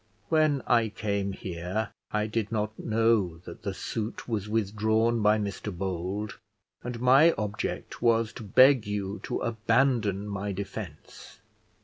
When I came here, I did not know that the suit was withdrawn by Mr Bold, and my object was to beg you to abandon my defence.